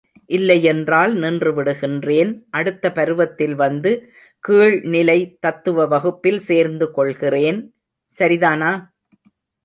இல்லையென்றால் நின்று விடுகின்றேன் அடுத்த பருவத்தில் வந்து, கீழ் நிலை, தத்துவ வகுப்பில் சேர்ந்து கொள்கிறேன், சரிதானா?